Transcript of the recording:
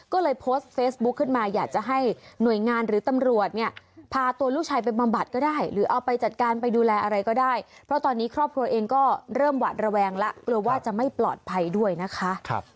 ก็เลยโพสต์เฟซบุ๊คขึ้นมาอยากจะให้หน่วยงานหรือตำรวจเนี่ยพาตัวลูกชายไปบำบัดก็ได้หรือเอาไปจัดการไปดูแลอะไรก็ได้เพราะตอนนี้ครอบครัวเองก็เริ่มหวาดระแวงแล้วกลัวว่าจะไม่ปลอดภัยด้วยนะคะ